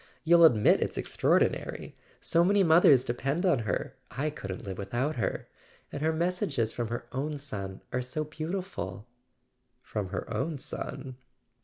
You'll admit it's ex¬ traordinary ? So many mothers depend on her—I couldn't live without her. And her messages from her own son are so beautiful " "From her own son?"